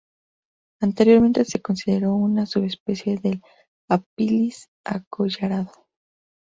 Anteriormente se consideró una subespecie del apalis acollarado.